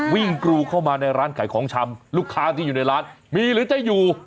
กรูเข้ามาในร้านขายของชำลูกค้าที่อยู่ในร้านมีหรือจะอยู่